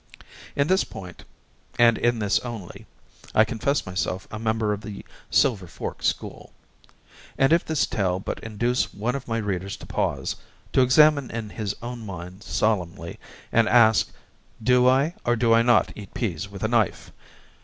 In this point and in this only I confess myself a member of the Silver Fork School; and if this tale but induce one of my readers to pause, to examine in his own mind solemnly, and ask, 'Do I or do I not eat peas with a knife?'